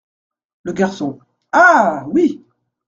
Le Garçon. — Ah ! oui.